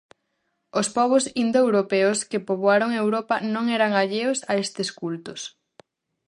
Os pobos indoeuropeos que poboaron Europa non eran alleos a estes cultos.